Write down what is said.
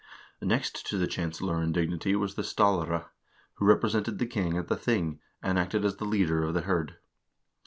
Next to the chancellor in dignity was the stallare, who represented the king at the thing, and acted as the leader of the hird.